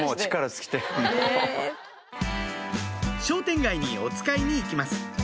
商店街におつかいに行きます